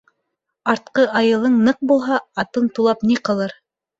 Артҡы айылың ныҡ булһа, атың тулап ни ҡылыр